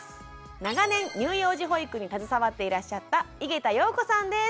長年乳幼児保育に携わっていらっしゃった井桁容子さんです。